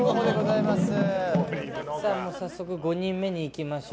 早速５人目にいきましょう。